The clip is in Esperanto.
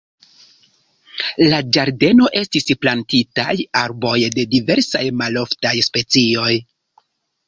La ĝardeno estis plantitaj arboj de diversaj maloftaj specioj.